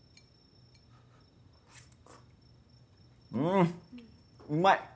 んうまい！